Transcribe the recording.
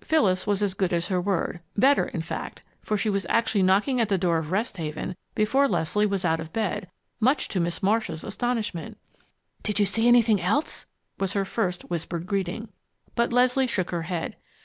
Phyllis was as good as her word better, in fact, for she was actually knocking at the door of Rest Haven before Leslie was out of bed, much to Miss Marcia's astonishment. "Did you see anything else?" was her first whispered greeting. But Leslie shook her head.